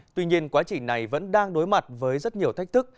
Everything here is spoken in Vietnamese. tuy nhiên quá trình này vẫn đang đối mặt với rất nhiều thách thức